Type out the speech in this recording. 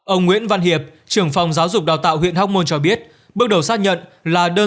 ông nguyễn văn hiệp trưởng phòng giáo dục đào tạo huyện hóc môn cho biết bước đầu xác nhận là đơn